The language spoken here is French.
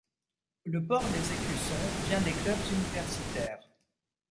Le port des écussons vient des clubs universitaires.